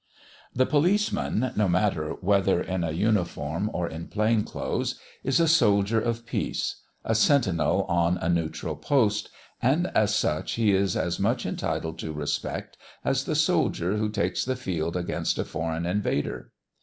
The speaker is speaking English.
The policeman, no matter whether in a uniform or in plain clothes, is a soldier of peace a sentinel on a neutral post, and as such he is as much entitled to respect as the soldier who takes the field against a foreign invader.